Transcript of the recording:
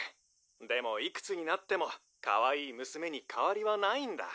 「でもいくつになってもかわいい娘にかわりはないんだ」